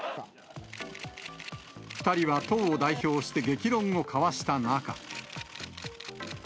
２人は党を代表して激論を交わした仲。